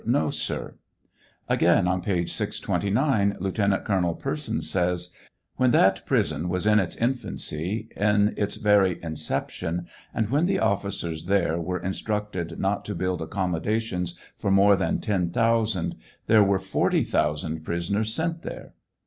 No, sir. Again, on page 629 Lieutenant Colonel Persons says : When that prison was in its infancy, in its very inception, and when the officers there were instructed not to build accommodations for more than ten thousand, there were forty thousand prisoners sent there.